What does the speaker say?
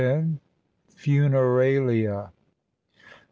FUNERALIA.